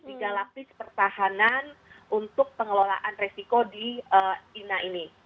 tiga lapis pertahanan untuk pengelolaan resiko di china ini